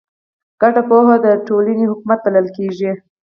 ګډه پوهه د ټولنې حکمت بلل کېږي.